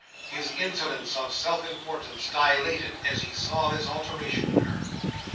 His insolence of self importance dilated as he saw this alteration in her.